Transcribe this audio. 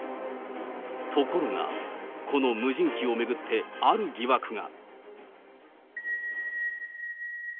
ところが、この無人機を巡って、ある疑惑が。